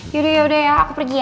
yaudah yaudah aku pergi ya